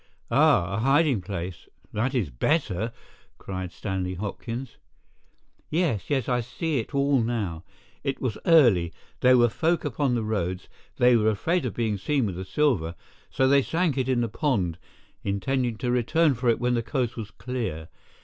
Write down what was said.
"Ah, a hiding place—that is better!" cried Stanley Hopkins. "Yes, yes, I see it all now! It was early, there were folk upon the roads, they were afraid of being seen with the silver, so they sank it in the pond, intending to return for it when the coast was clear.